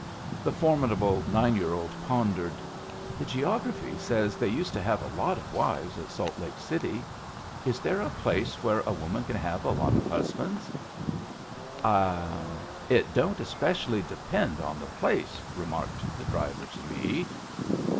The formidable nine year old pondered. "The geography says they used to have a lot of wives at Salt Lake City. Is there a place where a woman can have a lot of husbands?" "It don't especially depend on the place," remarked the driver to me.